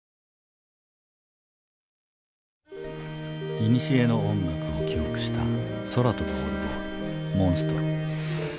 いにしえの音楽を記憶した空飛ぶオルゴール「モンストロ」。